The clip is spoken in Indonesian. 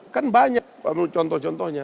kan banyak contoh contohnya